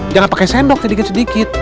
jangan pakai sendok sedikit sedikit